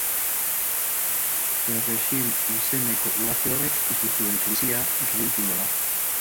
Perrexil izeneko uharte horrek piztu zuen krisia ridikulua da.